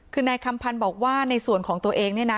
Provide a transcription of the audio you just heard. คือนายคำพันธ์บอกว่าในส่วนของตัวเองเนี่ยนะ